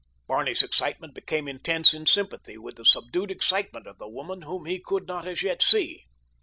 Barney's excitement became intense in sympathy with the subdued excitement of the woman whom he could not as yet see.